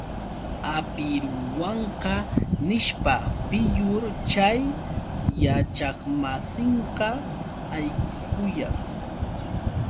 ¡Hapiruwanqa!, nishpa, piyur chay yachaqmasinqa ayqikuyan.